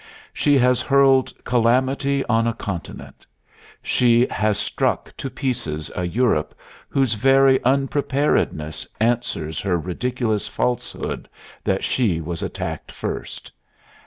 She has hurled calamity on a continent. She has struck to pieces a Europe whose very unpreparedness answers her ridiculous falsehood that she was attacked first.